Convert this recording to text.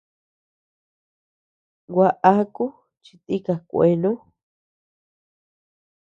Gua aku chi tika kuenu.